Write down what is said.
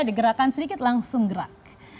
digerakkan sedikit langsung gerak